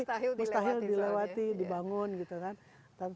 mustahil dilewati dibangun gitu kan